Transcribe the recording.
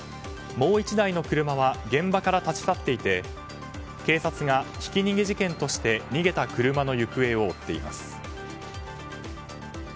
もう１台の車は現場から立ち去っていて警察がひき逃げ事件として逃げた車の行方を追っています。